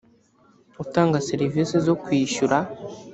utanga serivisi zo kwishyura